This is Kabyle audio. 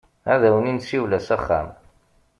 Ad awen-n-siwleɣ s axxam.